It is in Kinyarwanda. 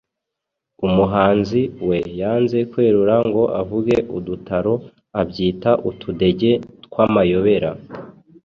Umuhanzi we yanze kwerura ngo avuge udutaro abyita utudege tw’amayobera.